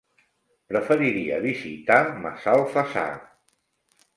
Preferiria visitar Massalfassar.